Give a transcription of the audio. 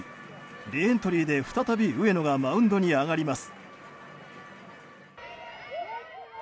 リエントリーで再び上野がマウンドに上がります。